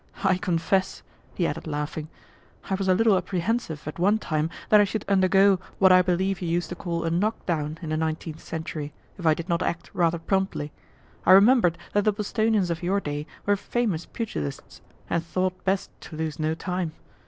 I confess," he added laughing, "I was a little apprehensive at one time that I should undergo what I believe you used to call a knockdown in the nineteenth century, if I did not act rather promptly. I remembered that the Bostonians of your day were famous pugilists, and thought best to lose no time.